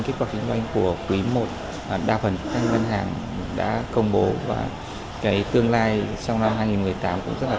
kết quả kinh doanh của quý i đa phần các ngân hàng đã công bố và cái tương lai trong năm hai nghìn một mươi tám cũng rất là